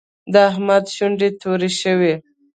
د احمد شونډې تورې شوې.